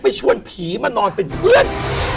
ชวนผีมานอนเป็นเพื่อน